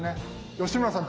吉村さん